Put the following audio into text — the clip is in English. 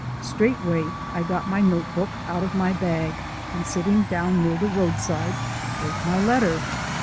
Straightway I got my notebook out of my bag and, sitting down near the roadside, wrote my letter.